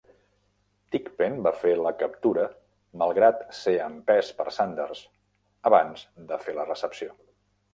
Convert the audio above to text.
Thigpen va fer la captura malgrat ser empès per Sanders, abans de fer la recepció.